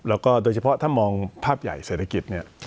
แล้วก็โดยเฉพาะถ้ามองภาพใหญ่เศรษฐกิจเนี่ย